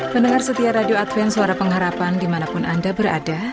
mendengar setiap radio advent suara pengharapan dimanapun anda berada